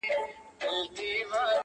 ورته رایې وړلي غوښي د ښکارونو -